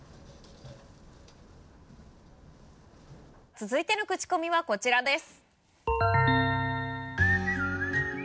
続いてのクチコミはこちらです。